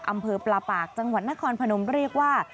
อำเภอปลาปากจังหวัดนครพนมเรียกว่า